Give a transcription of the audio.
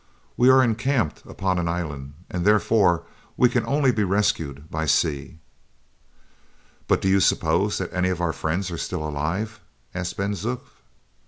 We are encamped upon an island, and therefore we can only be rescued by sea." "But do you suppose that any of our friends are still alive?" asked Ben Zoof.